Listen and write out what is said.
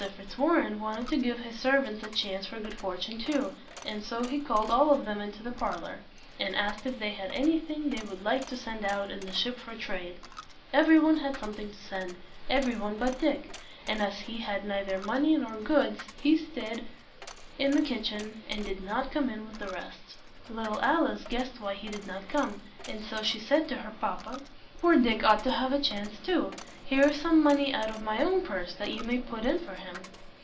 Fitzwarren wanted to give his servants a chance for good fortune too, and so he called all of them into the parlor, and asked if they had anything they would like to send out in the ship for trade. Every one had something to send, every one but Dick; and as he had neither money nor goods, he staid in the kitchen, and did not come in with the rest. Little Alice guessed why he did not come, and so she said to her papa, "Poor Dick ought to have a chance too. Here is some money out of my own purse that you may put in for him."